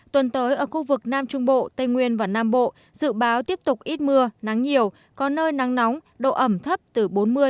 tuần tới ở khu vực nam trung bộ tây nguyên và nam bộ dự báo tiếp tục ít mưa nắng nhiều có nơi nắng nóng độ ẩm thấp từ bốn mươi